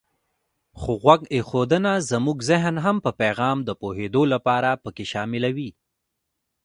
خو غوږ ایښودنه زمونږ زهن هم په پیغام د پوهېدو لپاره پکې شاملوي.